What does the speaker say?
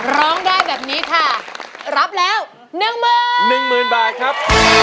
ร้องได้แบบนี้ค่ะรับแล้ว๑๑๐๐๐บาทครับ